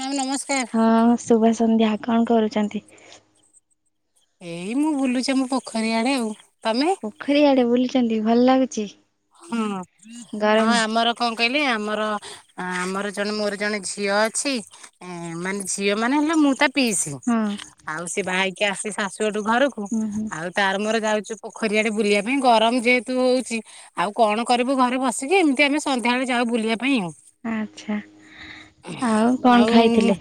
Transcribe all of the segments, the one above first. Ma'am ନମସ୍କାର। ହଁ ସୁଭ ସନ୍ଧ୍ୟା କଣ କରୁଛନ୍ତି? ଏଇ ମୁଁ ବୁଲୁଛି ଆମ ପୋଖରୀ ଆଡ଼େଆଉ, ତମେ? ପୋଖରୀ ଆଡ଼େ ବୁଲିଛନ୍ତି ଭଲ ଲାଗୁଛି? ହୁଁ, ଗରମ ହଁ ଆମର କଣ କହିଲି ଆମର ଆମର ଅଁ ଆମର ଜଣେ ଜଣେ ମୋର ଜଣେ ଝିଅ ଅଛି ଏଁ ମାନେ ଝିଅମାନେ ହେଲା ମୁଁ ତା ପିଇସି, ହଁ ଆଉ ସେ ବାହା ହେଇକି ଆସି ଶାଶୁ ହଠୁ ଘରକୁ ହୁଁ ହୁଁ ଆଉ ତାର ମୋର ଯାଉଛୁ ପୋଖରୀଆଡେ ବୁଲିବା ପାଇଁ ଗରମ ଯେହେତୁ ହଉଛି ଆଉ କଣ କରିବୁ ଘରେ ବସିକି ଏମିତି ଆମେ ସନ୍ଧ୍ୟାବେଳେ ଯାଉ ବୁଲିବା ପାଇଁ। ଆଚ୍ଛା, ଆଉ କଣ ଖାଇଥିଲେ?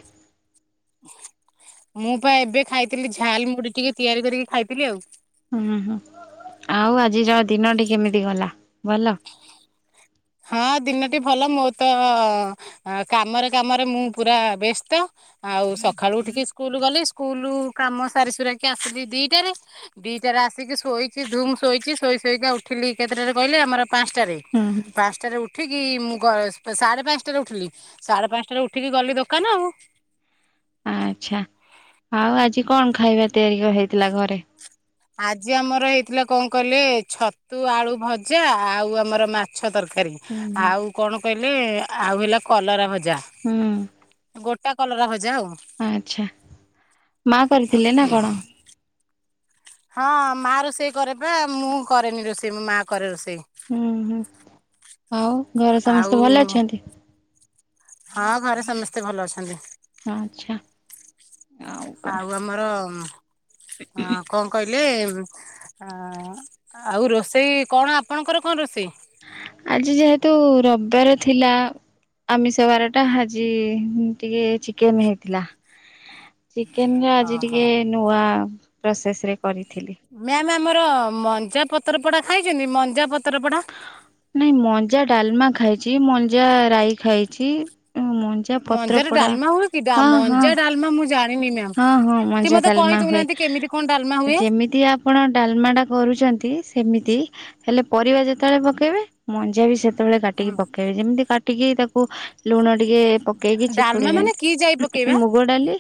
ମୁଁ ପା ଏବେ ଖାଇଥିଲି ଝାଲ ମୁଢ଼ି ଟିକେ ତିଆରି କରିକି ଖାଇଥିଲି ଆଉ। ଉହୁଁ, ଆଉ ଆଜି ଯା ଦିନଟି କେମିତି ଗଲା ଭଲ? ହଁ ଦିନଟି ଭଲ ମୋତ ଆଁ କାମରେ କାମରେ ମୁଁ ପୁରା ବ୍ୟସ୍ତ। ଆଉ ସକାଳୁ ଉଠିକି ସ୍କୁଲ୍ ଗଲି ସ୍କୁଲ କାମ ସାରି ସୁରାକି ଆସିଲି ଦିଇଟାରେ। ଦିଇଟାରେ ଆସିକି ଶୋଇଛି ଧୂମ୍ ଶୋଇଛି ଶୋଇ ଶୋଇକା ଉଠିଲି କେତେଟାରେ କହିଲେ ଆମର ପାଞ୍ଚଟାରେ। ହୁଁ ପାଞ୍ଚଟାରେ ଉଠିକି ମୁଁ ଗ ସାଢ଼େ ପାଞ୍ଚଟାରେ ଉଠିଲି। ସାଢ଼େ ପାଞ୍ଚଟାରେ ଉଠିକି ଗଲି ଦୋକାନ ଆଉ। ଆଚ୍ଛା ଆଉ ଆଜି କଣ ଖାଇବା ତିଆରି କ ହେଇଥିଲା ଘରେ? ଆଜି ଆମର ହେଇଥିଲା କଣ କହିଲେ ଛତୁ ଆଳୁ ଭଜା ଆଉ ଆମର ମାଛ ତର କାରୀ, ହୁଁ ହୁଁ ଆଉ କଣ? କହିଲେ ଆଉ ହେଲା କଲରା ଭଜା, ହୁଁ ଗୋଟା କଲରା ଭଜା ଆଉ। ଆଚ୍ଛା, ମା କରିଥିଲେ ନା କଣ? ହଁ ମାଆ ରୋଷେଇ କରେପା ମୁଁ କରେନି ରୋଷେଇ ମୋ ମାଆ କରେ ରୋଷେଇ। ହୁଁ ହୁଁ, ଆଉ ଘରେ ଆଉ ସମସ୍ତେ ଭଲ ଅଛନ୍ତି? ହଁ ଘରେ ସମସ୍ତେ ଭଲ ଅଛନ୍ତି। ଆଚ୍ଛା। ଆଉ ଆମର ଅଁ କଣ କହିଲେ ଅଁ ଆଉ ରୋଷେଇ କଣ ଆପଣଙ୍କର କଣ ରୋଷେଇ? ଆଜି ଯେହେତୁ ରବିବାର ଥିଲା ଆମିଷ ବାରଟା ଆଜି ଟିକେ ଚିକେନ୍ ହେଇଥିଲା। ଚିକେନରେ ଆଜି ଓହୋ ଟିକେ ନୂଆ ପ୍ରୋସେସରେ କରିଥିଲି। ମ୍ୟାମ୍ ଆମର ମଞ୍ଜା ପତର ପୋଡା ଖାଇଛନ୍ତି ମଞ୍ଜା ପତର ପଡା? ନାଇଁ ମଞ୍ଜା ଡାଲମା ଖାଇଛି, ମଞ୍ଜା ରାଇ ଖାଇଛି, ଉଁ ମଞ୍ଜା ପତ୍ର ମଞ୍ଜାର ପୋଡା ଡାଲମା ହୁଏ କି? ଡ଼ା ହଁ ହଁ ମଞ୍ଜା ଡାଲମା ମୁଁ ଜା ହଁ ହଁ ମଞ୍ଜା ଥାଲେ ମା ହୁଏ କେମିତି କଣ ଡାଲମା ହୁଏ ଯେମିତିଆ ଆପଣ ଡାଲମା ଟା କରୁଛନ୍ତି ସେମିତି ହେଲେ ପରିବା ଯେତେବେଳେ ପକେଇବେ ମଞ୍ଜା ବି ସେତ ସେତେବେଳେ କାଟିକି ପକେଇବି ଯେମିତି କାଟିକି ତାକୁ ଲୁଣ ଟିକେ ପ ପକେଇକିି ଡାଲମା ଚିପୁଡିଲେ ମାନେ କି ଯାଇ ପକେଇବା ମୁଗଡ଼ାଲି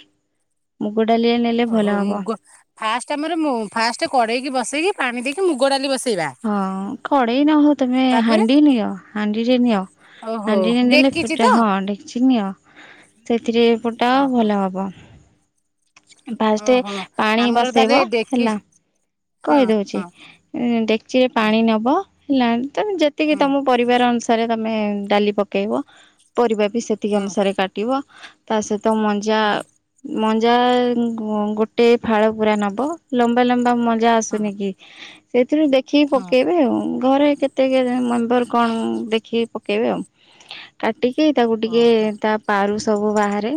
ମୁଗଡାଲି ହେ ଓହୋ ମୁଗ ଫାଷ୍ଟ ଆମର ଫାଷ୍ଟ କଡେଇକି ବସେଇକି ପାଣି ଦେଇକି ମୁଗ ଡାଲି ବସେଇବା। ହଁ କଡ଼େଇ ନହଉ ତମେ ତାପରେ ହାଣ୍ଡି ନିଅ ହାଣ୍ଡିରେ ନିଅ। ଓହୋ ହାଣ୍ଡିରେ ନେଲେ ଡେକିଚି ଫୁଟା ତ ହଁ ଡେକ୍ଚି ନିଅ ସେଥିରେ ଫୁଟାଅ ଓହୋ ଭଲ ହବ। ଫାଷ୍ଟ ଓହୋ ପାଣି ଆମର ତାହେଲେ ବସେଇବ ଡେକି ହେଲା। ହଁ କହିଦଉଛି ହଁ ଡେକ୍ଚିରେ ହଁ ପାଣି ନବ ହେଲା ତମେ ଯେତିକି ହଁ ତମକୁ ପରିବାର ଅନୁସାରେ ତମେ ଡାଲି ପକେଇବ ପରିବା ବି ସେତିକି ହଁ ଅନୁସାରେ କାଟ କାଟିବ ତା ସହିତ ମଞ୍ଜା ମଞ୍ଜା ଗୋ ଗୋଟେ ଫାଳ ପୁରା ନବ ଲମ୍ବା ଲମ୍ବା ମଞ୍ଜା ହଁ ଆସୁନି କି। ସେଇଥିରୁ ଦେଖିକି ହଁ ହଁ ପକେଇବେ ଆଉ ଘରେ କେ କେତେ କେଜାଣି ମେମ୍ବର କଣ ଦେଖିକି ପକେଇବେ ଆଉ କାଟିକି ତାକୁ ଟିକେ ଓହୋ। ତାପ ପାରୁ ସବୁ ବାହାରେ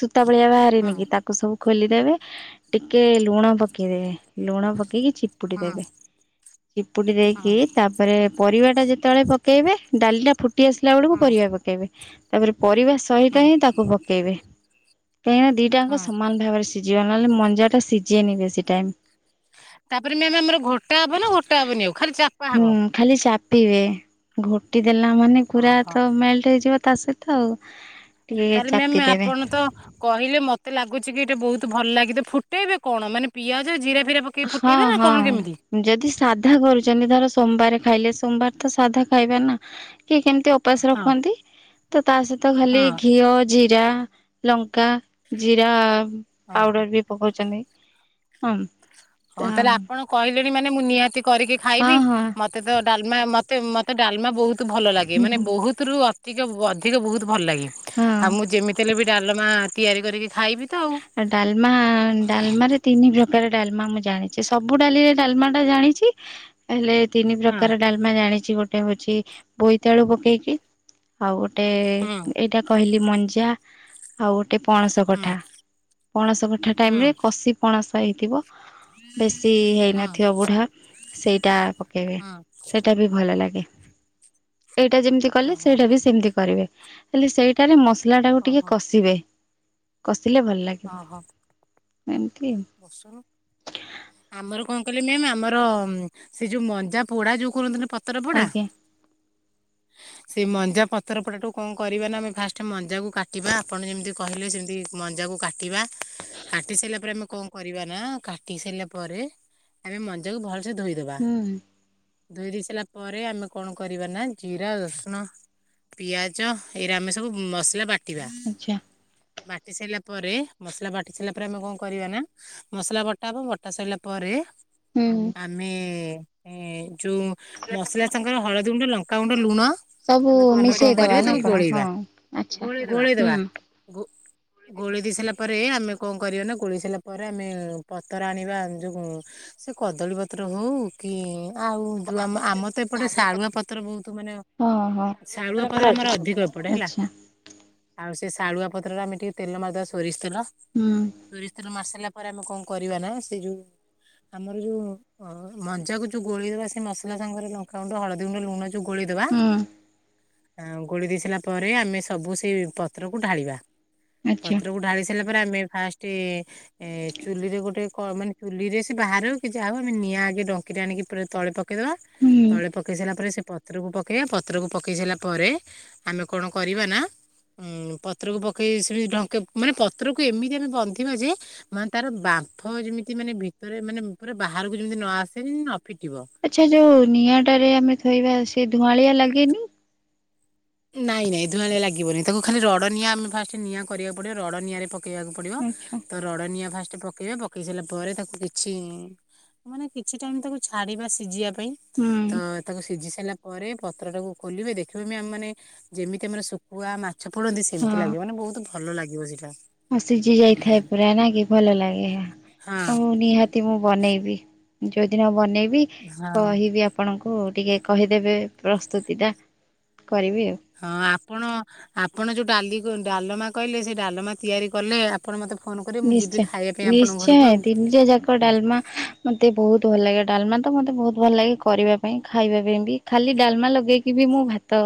ସୂତା ଭଳିଆ ହଁ ବାହାରେନି କି ତାକୁ ତାକୁ ସବୁ ଖୋଲିଦେବେ ଟିକେ ଲୁଣ ପକେଇଦେବେ ଲୁଣ ପକେଇକି ଚିପୁଡ଼ି ହଁ ଦେବେ। ଚିପୁଡି ଦେଇକି ହଁ ତାପରେ ପରିବା ଟା ଯେତେବେଳେ ପକେଇବେ ଡାଲିଟା ଫୁଟ ଫୁଟି ଆସିଲା ବେଳକୁ ହଁ ହଁ ପରିବା ପକେଇବେ ତାପରେ ପରିବା ସହିତ ହିଁ ତାକୁ ପ ପକେଇବେ କାହିଁକି ନା ଦିଟାଙ୍କ ହଁ ସମାନ ଭାବରେ ସିଝିବ ନହେଲେ ମଞ୍ଜାଟା ସିଝେନି ବେଶୀ ଟାଇମ୍। ତାପରେ ମ୍ୟାମ୍ ଆମର ଘୋଟା ହବ ନା ଘୋଟା ହବନି ଆଉ ଖାଲି ଚାପା ହୁଁ ହବ। ଖାଲି ଚାପିବେ ଘୋଟି ଦେଲା ମାନେ ଖୁରା ଓହୋ ତ ମେ ମେଲ୍ଟେ ହେଇଯିବା ତା ସହିତ ଆଉ। ଟିକେ ତାହେଲେ ମ୍ୟାମ୍ ଚାପିଦେବେ। ଆପଣ ତ କହିଲେ ମତେ ଲାଗୁଛି କି ଏଇଟା ବହୁତ ଭଲ ଲାଗିବ ଫୁଟେଇବେ କଣ ମାନେ ପିଆଜ ଜିରା ଫିରା ପ ପକେଇକି ହଁ ଫୁଟେଇବେ ନା କଣ କେମିତି? ହଁ। ଯଦି ସାଧା କରୁଛନ୍ତି ଧର ସୋମବାର ଖାଇଲେ ସୋମବାର ତ ସାଧା ଖାଇବେ ନା କିଏ କେମିତି ଉପାସ ହଁ ରଖନ୍ତି ତ ତା ସହିତ ଖାଲି ହଁ। ଘିଅ ଜିରା ଲଙ୍କା ଜିରା ଓହୋ ପାଉଡର ବି ପକଉଛନ୍ତି ହଁ। ହଉ ତାହେଲେ ଆପଣ କହିଲେଣି ମାନେ ମୁଁ ନିହାତି କରିକି ହଁ ଖାଇବି। ହଁ ମତେ ମତେ ତ ଡାଲମା ମତେ ମତେ ଡାଲମା ବୋହୁତୁ ଭଲ ଲାଗେ ମାନେ ବୋହୁତୁରୁ ଅଧିକ ବୋହୁତୁ। ଟିକେ ବହୁତ ଭଲ ଲାଗେ ହଁ। ଆଉ ମୁଁ ଯେମିତି ହେଲେ ବି ଡାଲମା ତିଆରି କରିକି ଖାଇବି ତ ଆଉ। ଆ ଡାଲମା ଡାଲମାରେ ତିନି ପ୍ରକାର ଡାଲମା ମୁଁ ଜାଣିଛି ସବୁ ଡାଲିରେ ଡାଲମାଟା ଜାଣିଛି ହେଲେ ତିନି ହଁ ପ୍ରକାର ଡାଲମା ଜାଣିଛି ଗୋଟେ ହଉଛି ବୋଇତାଳୁ ପକେଇକି ଆଉ ଗୋଟେ ହୁଁ ଟେ କହିଲି ମଞ୍ଜା ଆଉ ଗୋଟେ ପଣସ ହୁଁ କଠା। ପଣସ କଠା ହୁଁ। ଟାଇମରେ କଷି ପଣସ ହେଇଥିବ ବେଶୀ ହଁ ହେଇନଥିବ ବୁଢା ସେଇଟା ପକେଇବେ ହଁ ସେଇଟା ବି ଭଲ ଲାଗେ। ଏଇଟା ଯେମିତି କଲେ ଓହୋ ସେଇଟା ବି ସେମିତି କରିବେ। ହେଲେ ସେଇଟାରେ ମସଲା ଟାକୁ ଟିକେ ଓହୋ କଷିବେ କଷିଲେ ଭଲ ଲାଗେ। ଓହୋ। ଏମିତି। ବସୁନ। ଆମର କଣ କହିଲେ ମ୍ୟାମ୍ ଆମର ସେଇ ଯୋଉ ମଞ୍ଜା ପୋଡା ଯୋଉ କହୁନଥିଲେ ପ ପତର ପୋଡ଼ା। ଆଜ୍ଞା ସେଇ ମଞ୍ଜା ପତରପୋଡା଼ ଟାକୁ କଣ କରିବେ ନା ଆମେ ଫାଷ୍ଟ ମଞ୍ଜାକୁ କାଟିବା ଆପଣ ଯେମିତି କହିଲେ ସେମିତି ମଞ୍ଜାକୁ କା କାଟିବା କାଟି ସାରିଲା ପରେ ଆମେ କଣ କରିବା ନା କାଟି ସାରିଲା ପରେ ଆମେ ମଞକୁ ଭଲସ ଧୋଇଦେବା। ହୁଁ ଧୋଇ ଦେଇ ସାରିଲା ପରେ ଆମେ କଣ କରିବା ନା ଜିରା ରସୁଣ ପିଆଜ ଏଇରେ ଆମେ ସବୁ ମସଲା ବାଟି ଆଚ୍ଛା ବାଟିବା ବାଟି ସାରିଲା ପରେ ମସଲା ବାଟି ସାରିଲା ପରେ ଆମେ କଣ କରିବା ନା ମସଲା ବଟା ହବ ବଟା ସରିଲା ପରେ ହୁଁ ଆମେ ଯେଉଁ ମସଲା ସାଙ୍ଗରେ ହଳଦୀ ଗୁଣ୍ଡ ଲଙ୍କାଗୁଣ୍ଡ ଲୁଣ। ସବୁ ଆମେ କଣ ମିଶେଇଦବା କରିବା ନା ତାକୁ କଣ ହଁ ଗୋଳେଇବା ଆପଣ ହଁ ଆଛା ହଁ। ଗ ଗୋଳି ଦେଇ ସାରିଲା ପରେ ଆମେ କଣ କରିବା ନା ଗୋଳିଇ ସାରିଲା ପରେ ପରେ ଆମେ ପତ୍ର ଆଣିବା ଯେଉଁ ସେ କଦଳୀପତ୍ର ହେଉ କି ଆଉ ଯ ଆ ଆମ ତ ଏପଟେ ଶାଳୁଆ ପତ୍ର ବହୁତ ମାନେ ହଁ ହଁ। ଶାଳୁଆପତ୍ର ଆମର ଅଧିକ ଏପଟେ ହେଲା। ଆଚ୍ଛା ଆଉ ସେ ଶାଳୁଆ ପତ୍ରରେ ଆମେ ଟିକେ ତେଲ ମାରିଦବା ସୋରିଷ ତେଲ। ହୁଁ ସୋରିଷ ତେଲ ମାରି ସାରିଲା ପରେ ଆମେ କଣ କରିବା ନା ସେ ଯୋଉ ଆମର ଯୋଉ ଅ ମଞ୍ଜାକୁ ଯଉ ଗୋଳି ଦେବା ସେ ମସଲା ସାଙ୍ଗରେ ଲଙ୍କାଗୁଣ୍ଡ ହଳଦୀ ଗୁଣ୍ଡ ଲୁଣ ଯଉ ଗୋଳେଇଦବା। ହୁଁ ଆ ଗୋଳି ଦେଇ ସାଇଲା ପରେ ଆମେ ସବୁ ସେଇ ପତ୍ରକୁ ଢାଳିବା ଆଚ୍ଛା ପତ୍ରକୁ ଢାଳି ପରେ ଆମେ ଫାଷ୍ଟ ଏ ଚୁଲିରେ ଗୋଟେ ମାନେ ଚୁଲି ରେ ସେ ବାହାର ହଉ କି ଯା ହଉ ଆମେ ନିଆଁ ଆଗେ ଡଙ୍କିରେ ଆଣିକି ପୁରା ତଳେ ପ ପକେଇଦବା ହୁଁ। ତଳେ ପକେଇ ସାରିଲା ପରେ ସେ ପତ୍ରକୁ ପକେଇବା ପତ୍ରକୁ ପକେଇ ସାରିଲା ପରେ ଆମେ କଣ କରିବା ନା। ଉଁ ପତ୍ରକୁ ପକେଇ ସେମତି ଢଙ୍କ ମାନେ ପତ୍ରକୁ ଏମିତି ଆମେ ବନ୍ଧିବା ଯେ ମାନେ ତାର ବାମ୍ଫ ଯେମିତି ମାନେ ଭିତରେ ମାନେ ପୁରା ବାହାରକୁ ଯେମିତି ନ ଆସେନ ନ ଫିଟିବ। ଆଚ୍ଛା ଯୋଉ ନିଆଁଟାରେ ଆମେ ଥୋଇବା ସେ ଧୁଆଁଳିଆ ଲାଗେନି। ନାଇଁ ନାଇଁ ଧୂଆଁଳିଆ ଲାଗିବନି ତାକୁ ଖାଲି ରଡ଼ ନିଆଁ ଆମେ ଫାଷ୍ଟ ନିଆଁ କରିବାକୁ ପଡିବ ରଡ଼ ନିଆରେ ପ ପକେଇବାକୁ ପଡିବ ଆଚ୍ଛା। ତ ରଡ଼ ନିଆ ଫାଷ୍ଟ ପକେଇବେ ପକେଇ ସାରିଲା ପରେ ତାକୁ କିଛି ମାନେ କିଛି ଟାଇମ ତାକୁ ଛାଡିବା ସିଝିବା ପାଇଁ। ହୁଁ ତ ତାକୁ ସିଝି ସାରିଲା ପରେ ପତ୍ର ଟାକୁ ଖୋଲିବେ ଦେଖିବେ ବି ଆମେ ମାନେ ଯେମିତି ଆମର ଶୁଖୁଆ ମାଛ ପଡନ୍ତି ସେମିତି ଲାଗିବ ମାନେ ବହୁତ ଭଲ ଲାଗିବ ସେଇଟା। ହଁ ସିଝି ଯାଇଥାଏ ହୁଁ। ପୁରା ନା କି ଭଲ ଲାଗେ ହଁ ଆଉ ନିହାତି ମୁଁ ବନେଇବି ଯୋଉଦିନ ବନେଇବି ହଁ କହିବି ଆ ଆପଣଙ୍କୁ ଟିକେ କହିଦେବେ ପ୍ରସ୍ତୁତିଟା କରିବି ଆଉ। ହଁ ଆପଣ ଆପଣ ଯୋଉ ଡାଲି ଡାଲମା କହିଲେ ସେ ଡାଲମା ତିଆରି କଲେ। ଆପଣ ମୋତେ ଫୋନ କରିିବ ମୁଁ ଯିବି ନିଶ୍ଚୟ ଖାଇବା ପାଇଁ ଆପଣଙ୍କ ଘରକୁ ନିଶ୍ଚୟ ଆଉ। ତିନିଟା ଯାକ ଡାଲମା ମୋତେ ବହୁତ ଭଲ ଲାଗେ ଡାଲମା ତ ମୋତେ ବହୁତ ଭଲ ଲାଗେ କରିବା ପାଇଁ ଖାଇବା ପାଇଁ ବି। ଖାଲି ଡାଲମା ଲଗେଇକି ବି ମୁଁ ଭାତ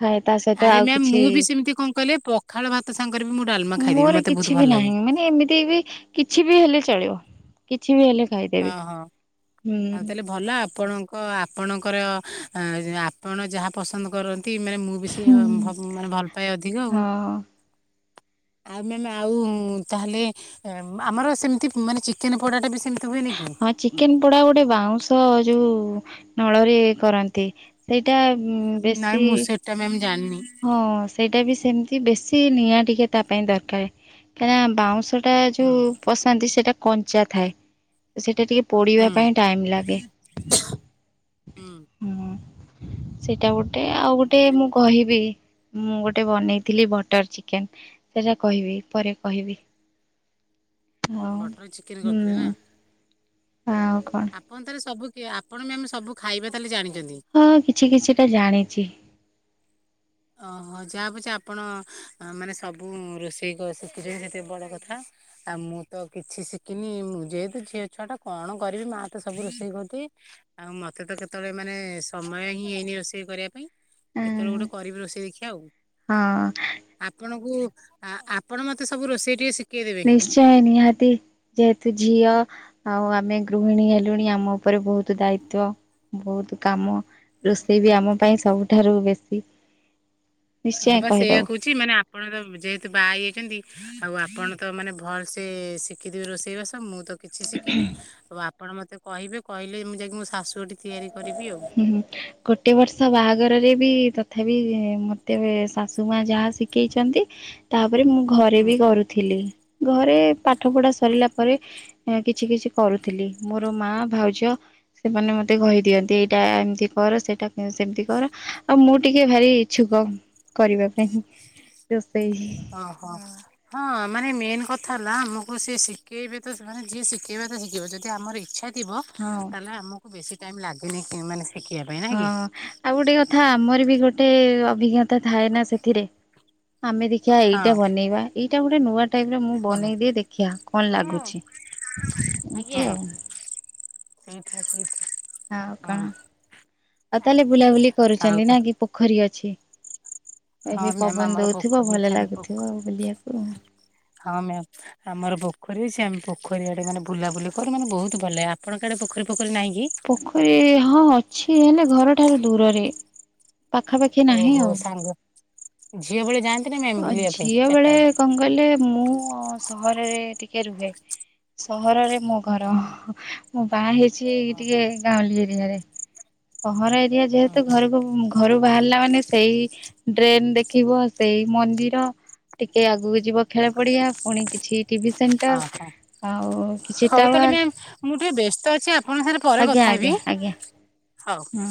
ଖାଏ ତା ସହିତ ଆଉ କିଛି। ଏମିତି କଣ କଲେ ପଖାଳ ଭାତ ସାଙ୍ଗରେ ବି ମୁଁ ଡାଲ ମୋର କିଛି ବି ନାହିଁ ମାନେ ଏମିତି ବି କିଛି ବି ହେଲେ ଚଳିବ କିଛି ବି ହେଲେ ଖାଇଦେବି। ଓହୋ। ଆଉ ହୁଁ ତାହେଲେ ଭଲ ଆପଣଙ୍କ ଆପଣଙ୍କର ଆପଣ ଯାହା ପସନ୍ଦ କରନ୍ତି ମାନେ ମୁଁ ବି ସେ ହୁଁ ଟେ ମାନେ ଭଲ ପାଏ ଅଧିକ ଆଉ। ହଁ। ଆଉ ମାମ୍ ଆଉ ତାହେଲେ ଆମର ସେମିତି ମାନେ ଚିକେନ୍ ପୋଡ଼ାଟା ବି ସେମତି ହୁଏନି କି? ଚିକେନ୍ ପୋଡ଼ା ଗୋଟେ ବାଉଁଶ ଯୋଉ ନଳରେ କରନ୍ତି। ସେଇଟା ବେଶୀ। ତା ମାନେ ଜାଣିନି। ହଁ ସେଇଟା ବି ସେମିତି ବେଶୀ ନିଆଁ ଟିକେ ତା ପାଇଁ ଦରକାର କାଇଁନା ବାଉଁଶ ଟା ହୁଁ ଯୋଉ ପସାନ୍ତି ସେଇଟା କଞ୍ଚା ଥାଏ ସେଇଟା ଟିକେ ପୋଡ଼ିବା ହୁଁ ପାଇଁ ଟାଇମ୍ ଲାଗେ। ସେଇଟା ଗୋଟେ ଆଉ ହୁଁ ଗୋଟେ ତାହେଲେ ମୁଁ କହିବି ମୁଁ ଗୋଟେ ବନେଇଥିଲି ବଟର୍ ଚିକେନ୍ ସେହା କହିବି ପରେ କହିବି। ହଉ ବଟର ଚିକେନ କରିଥିଲେ ହୁଁ ନା? ଆଉ କଣ? ଆପଣ ତାରସବୁ ଆପଣ ମାମ୍ ସବୁ ଖାଇବା ତାହେଲେ ଜାଣିଛନ୍ତି। ହଁ କିଛି କିଛିଟା ଜାଣିଛି। ଓହୋ ଯାହା ପଛେ ଆପଣ ମାନେ ସବୁ ରୋଷେଇ କରି ଶିଖିଛନ୍ତି ସେତେ ବଡ଼ କଥା। ଆଉ ମୁଁ ତ କିଛି ଶିଖିନି ମୁଁ ଯେହେତୁ ଝିଅ ଛୁଆ ଟା କଣ କରିବି ମା ତ ସବୁ ରୋଷେଇ କରିଦିଏ। ଆଉ ମତେ ତ କେତେବେଳେ ମାନେ ସମୟ ହିଁ ହେଇନି ରୋଷେଇ କରିବା ପାଇଁ। କେତେବେଳେ ଗୋଟେ କରିବି ରୋଷେଇ ଦେଖିବା ଆଉ। ହଁ। ଆପଣଙ୍କୁ ଆପଣ ମତେ ସବୁ ରୋଷେଇ ଟିକେ ଶିଖେଇଦେବେ। ନିଶ୍ଚୟ ନିହାତି ଯେହେତୁ ଝିଅ ଆଉ ଆମେ ଗୃହିଣୀ ହେଲୁଣି ଆମ ଉପରେ ବହୁତ ଦାୟିତ୍ୱ ବହୁତ କାମ। ରୋଷେଇ ବି ଆମ ପାଇଁ ସବୁଠାରୁ ବେଶୀ ହଁ ନିଶ୍ଚୟ ବା ସେଇଆ କହିଦବୁ। କହୁଛି ମାନେ ଆପଣ ତ ଯେହେତୁ ବାହା ହେଇ। ଆଉ ଆପଣ ତ ମାନେ ଭଲସେ ଶିଖିଥିବେ ରୋଷେଇ ବାସ ମୁଁ ତ କିଛି ଶିଖିନି ଆଉ ଆପଣ ମତେ କହିବେ କହିଲେ ମୁଁ ଯାଇକି ମୋ ଶାଶୁଟିି ତିଆରି କରିବି ଆଉ। ହୁଁ ହୁଁ [inaudible] ଗୋଟିଏ ବର୍ଷ ବାହାଘରରେ ବି ତଥାପି ମୋତେ ଶାଶୁ ମା ଯାହା ଶିଖେଇଛନ୍ତି। ତାପରେ ମୁଁ ଘରେ ବି କରୁଥିଲି ଘରେ ପାଠ ପଢ଼ା ସରିଲା ପରେ। କିଛି କିଛି କରୁଥିଲି ମୋର ମା ଭାଉଜ ସେମାନେ ମତେ କହିଦିଅନ୍ତି ଏ ଏଟା ଏମିତି କର ସେଇଟା ସେମତି କର ଆଉ ମୁଁ ଟିକେ ଭାରି ଇଚ୍ଛୁକ। କରିବା ପାଇଁ ରୋଷେଇ। ଓହୋ। ହଁ ହଁ ମାନେ ମେନ୍ କଥା ହେଲା ଆମକୁ ସିଏ ଶିଖେଇବେ ତ ମାନେ ଯିଏ ଶିଖେଇବେ ତ ଶିଖେଇିବେ ଯଦି ଆମର ଇଚ୍ଛା ଥିବ ହଁ ଆମକୁ ବେଶି ଟାଇମ୍ ଲାଗେନି ମାନେ ଶିଖିବା ପାଇଁ। ନାଇଁ ହଁ କି ଆଉ ଗୋଟେ କଥା ଆମର ବି ଗୋଟେ ଅଭିଜ୍ଞତା ଥାଏ ନା ସେଥିରେ। ଆମେ ଦେଖିବା ହଁ ଏଇଟା ବନେଇବା ଏଇଟା ଗୋଟେ ନୂଆ ଟାଇପ୍ ମୁଁ ହୁଁ ବନେଇଦିଏ ଦେଖିବା କଣ ଲାଗୁଛି ଏମିତି ଆଉ। ସେଇଠା ସଠ [inaudible] ଆଉ କଣ ଆଉ ତାହେଲେ ବୁଲାବୁଲି ଆଉ କରୁଛନ୍ତି ତ ନା କି? ପୋଖରୀ ଅଛି ହଁ ଏବେ ମ୍ୟାମ୍ ପବନ ଆମର ଦଉଥିବ ପୋଖରୀ ଅଛି ଭଲ ଆମେ ଲାଗୁଥିବ ବୁଲିବାକୁ। ହଁ ମ୍ୟାମ୍। ଆମର ପୋଖରୀ ଅଛି ଆମେ ପୋଖରୀ ଆଡ଼େ ମାନେ ବୁଲାବୁଲି କରୁ ମାନେ ବହୁତ ଭଲ ଲାଗେ ଆପଣଙ୍କ ଆଡ଼େ ପୋଖରୀ ଫଖରୀ ନାହିଁ କି? ପୋଖରୀ ହଁ ଅଛି ହେଲେ ଘର ଠାରୁ ଦୂରରେ। ପାଖାପାଖି ନାହିଁ ଓହୋ ସାଙ୍ଗ ଝିଅ ବେଳେ ଯାଆନ୍ତି ନା ମ୍ୟାମ୍ ଆଉ ବୁଲିବା ପାଇଁ ଝିଅ ଚାରିଟା ବେଳେ। କଣ କହିଲେ ମୁଁ ସହରରେ ଟିକେ ରୁହେ ସହରରେ ମୁ ଓହୋ। କାରଣ ମୁଁ ବାହା ହେଇଛି ଏଇ ଓହୋ ଟିକେ ଗାଉଁଳି ଏରିଆରେ। ସହର ଏରିଆ ଯେହେତୁ ଓହୋ ଘରକୁ ଘରୁ ବାହାରିଲା ମାନେ ସେଇ ଡ୍ରେନ ଦେଖିବ ସେଇ ମନ୍ଦିର। ଟିକେ ଆଗକୁ ଯିବ ଖେଳ ପଡିଆ ପୁଣି କିଛି ଟିଭି ସେଣ୍ଟର। ହଁ ହଁ। ଆଉ କିଛି ହଉ ଟାୱାର ତାହେଲେ ମ୍ୟାମ୍ ମୁଁ ଟିକେ ବ୍ୟସ୍ତ ଅଛି ଆପଣଙ୍କ ସାଙ୍ଗରେ ପରେ ଆଜ୍ଞା କଥାହେବି। ଆଜ୍ଞା ଆଜ୍ଞା ହଉ ହଁ।